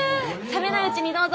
冷めないうちにどうぞ。